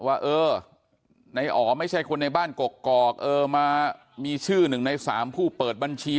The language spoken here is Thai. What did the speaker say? ว่าเออในอ๋อไม่ใช่คนในบ้านกกอกเออมามีชื่อหนึ่งในสามผู้เปิดบัญชี